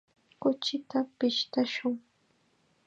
Kuchita pishtashun.